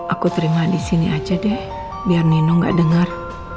aku terima di sini aja deh biar nino nggak dengar